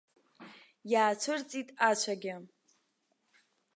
Иаацәырҵит ацәагьы.